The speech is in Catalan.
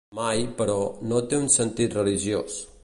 Mai, però, no té un sentit religiós.